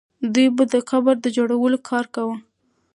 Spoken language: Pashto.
دوی به د قبر د جوړولو کار کاوه.